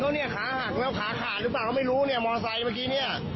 เขาเนี้ยขาหาขาจหรือเปล่าเขาไม่รู้เนี่ยมอเตอร์สายเมื่อกี้เนี้ย